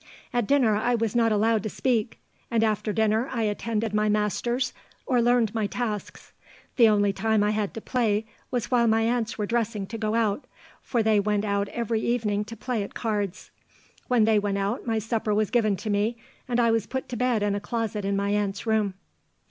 At dinner I was not allowed to speak; and after dinner I attended my masters or learned my tasks. The only time I had to play was while my aunts were dressing to go out, for they went out every evening to play at cards. When they went out my supper was given to me, and I was put to bed in a closet in my aunts' room."